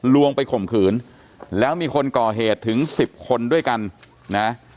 วงไปข่มขืนแล้วมีคนก่อเหตุถึงสิบคนด้วยกันนะ